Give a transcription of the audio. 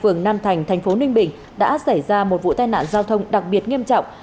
phường nam thành thành phố ninh bình đã xảy ra một vụ tai nạn giao thông đặc biệt nghiêm trọng